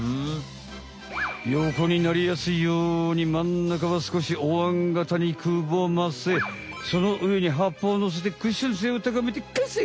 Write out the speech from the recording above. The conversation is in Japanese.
よこになりやすいように真ん中はすこしおわんがたにくぼませそのうえに葉っぱをのせてクッション性を高めてかんせい！